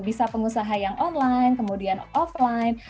bisa pengusaha yang online kemudian offline